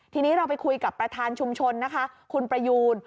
ทีนี้เราไปคุยกับประธานชุมชนนะคะคุณประยูน